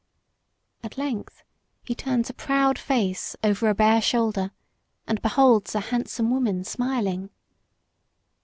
At length he turns a proud face over a bare shoulder and beholds a handsome woman smiling.